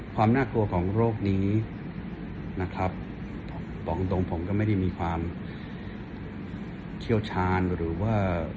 ความน่ากลัวของโรคนี้นะครับบอกตรงตรงผมก็ไม่ได้มีความเชี่ยวชาญหรือว่า